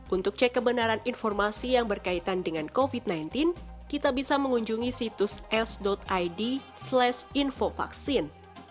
untuk cek kebenaran informasi yang berkaitan dengan covid sembilan belas kita bisa mengunjungi situs s id slash info vaksin